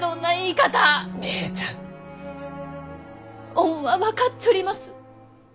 恩は分かっちょります。